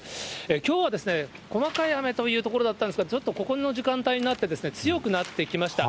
きょうは細かい雨というところだったんですが、ちょっとここの時間帯になって、強くなってきました。